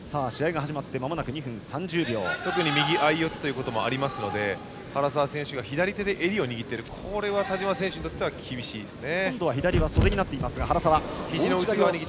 特に右相四つということもありますので原沢選手が左手で襟を握っているこれは田嶋選手にとっては厳しいですね。